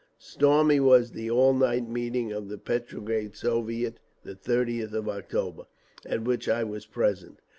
Stormy was the all night meeting of the Petrograd Soviet the 30th of October, at which I was present.